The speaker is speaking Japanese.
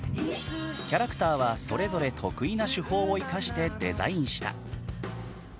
キャラクターはそれぞれ得意な手法を生かしてデザインした。